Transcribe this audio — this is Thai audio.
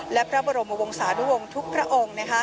และพระบรมวงศานุวงศ์ทุกพระองค์